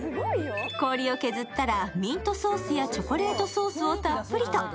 氷を削ったらミントソースやチョコレートソースをたっぷりと。